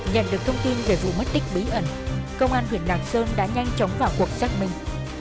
nhận được thông tin về vụ mất tích bí ẩn công an huyện lạc sơn đã nhanh chóng vào cuộc xác minh